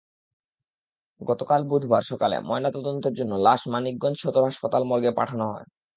গতকাল বুধবার সকালে ময়নাতদন্তের জন্য লাশ মানিকগঞ্জ সদর হাসপাতাল মর্গে পাঠানো হয়।